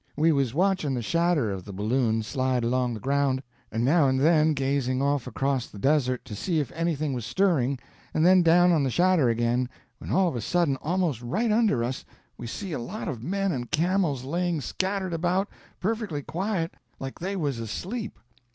We was watching the shadder of the balloon slide along the ground, and now and then gazing off across the desert to see if anything was stirring, and then down on the shadder again, when all of a sudden almost right under us we see a lot of men and camels laying scattered about, perfectly quiet, like they was asleep.